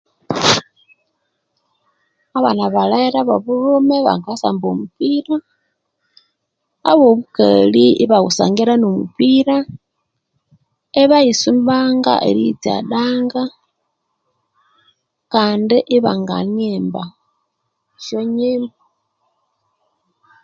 Abana balere abobulhume bakasamba omupira ababukali ibayusangirania omupira ibayisumbanga iriyitsadanga Kandi ibanganimba eshyonyimbo